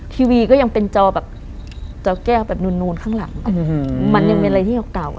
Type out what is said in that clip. ทีวีก็ยังเป็นจอแบบแก้วแบบถูกนอนข้างหลังนะอุหู